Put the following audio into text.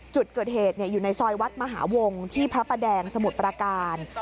จุดเกิดเหตุอยู่ในซอยวัดมหาวงที่พระประแดงสมุทรประการ